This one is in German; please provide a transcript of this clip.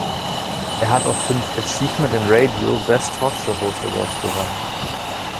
Er hat auch fünf „Achievement in Radio" Best Talk Show Host-Awards gewonnen.